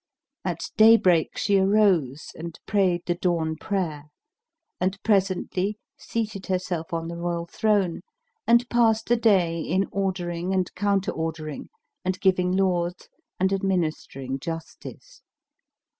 At daybreak, she arose and prayed the dawn prayer; and presently seated herself on the royal throne and passed the day in ordering and counter ordering and giving laws and administering justice.